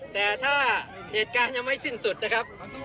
แต่ถ้าเหตุการณ์ยังไม่สิ้นสุดนะครับ